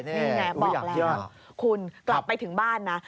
นี่ไงบอกแล้วคุณกลับไปถึงบ้านนะ